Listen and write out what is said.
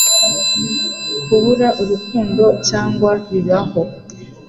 Kubura urukundo cyangwa bibaho